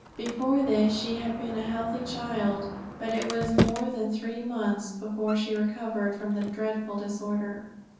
Before this she had been a healthy child but it was more than three months before she recovered from the dreadful disorder.